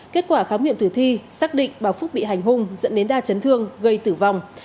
kết quả khám nghiệm tử thi xác định bà phúc bị hành hung dẫn đến đa chấn thương gây tử vong